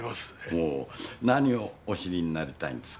ほう何をお知りになりたいんですか？